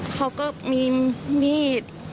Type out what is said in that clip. เขาก็มีมีด